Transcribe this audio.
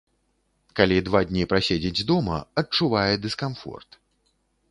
Калі два дні праседзіць дома, адчувае дыскамфорт.